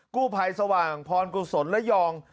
กู้ภัยสว่างพรกส๑๙๔๓เล้ายอง